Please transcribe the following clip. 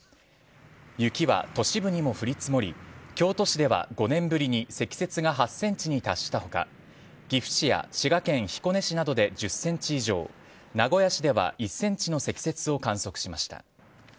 雪は都市部にも降り積もり京都市では５年ぶりに積雪が８ｃｍに達した他岐阜市や滋賀県彦根市などで１０ｃｍ以上名古屋市では１ｃｍの積雪を観測しました。